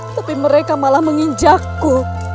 tapi mereka malah menginjakku